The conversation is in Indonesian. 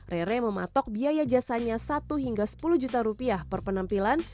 rere mematok biaya jasanya satu hingga sepuluh juta rupiah per penampilan